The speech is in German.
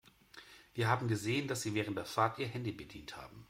Wir haben gesehen, dass Sie während der Fahrt Ihr Handy bedient haben.